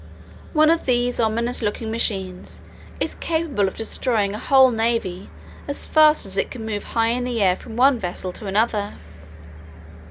One of these ominous looking machines is capable of destroying a whole navy as fast as it can move high in the air from one vessel to another.